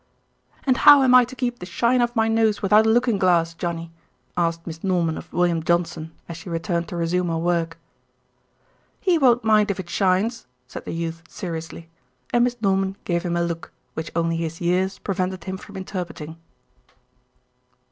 "And how am I to keep the shine off my nose without a looking glass, Johnny?" asked Miss Norman of William Johnson, as she turned to resume her work. "He won't mind if it shines," said the youth seriously; and Miss Norman gave him a look, which only his years prevented him from interpreting.